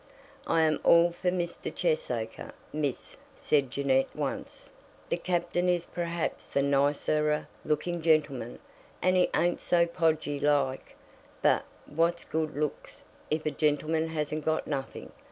"I am all for Mr. Cheesacre, Miss," said Jeannette once. "The Captain is perhaps the nicerer looking gentleman, and he ain't so podgy like; but what's good looks if a gentleman hasn't got nothing?